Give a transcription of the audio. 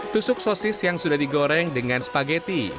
tusuk sosis yang sudah digoreng dengan spageti